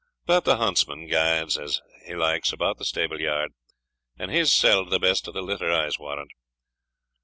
But the huntsman guides a' as he likes about the stable yard, and he's selled the best o' the litter, I'se warrant.